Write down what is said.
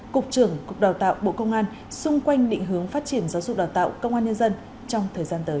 cục trưởng cục đào tạo bộ công an xung quanh định hướng phát triển giáo dục đào tạo công an nhân dân trong thời gian tới